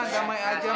damai aja ma